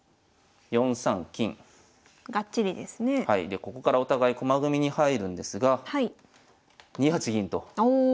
でここからお互い駒組みに入るんですが２八銀とおお。